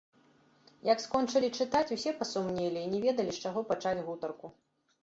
Як скончылі чытаць, усе пасумнелі і не ведалі, з чаго пачаць гутарку.